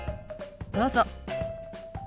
どうぞ。